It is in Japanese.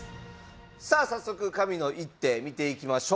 さあ早速神の一手見ていきましょう！